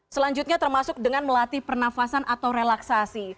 selanjutnya termasuk dengan melatih pernafasan atau relaksasi